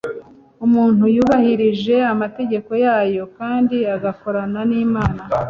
umuntu yubahirije amategeko yayo kandi agakorana n'imana